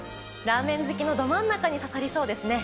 ラーメン好きのど真ん中に刺さりそうですね。